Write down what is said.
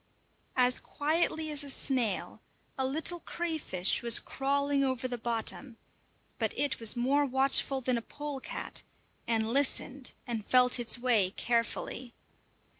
As quietly as a snail, a little crayfish was crawling over the bottom; but it was more watchful than a polecat, and listened and felt its way carefully.